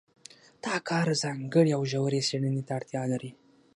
دا کار ځانګړې او ژورې څېړنې ته اړتیا لري.